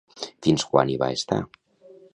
Fins quan hi va estar?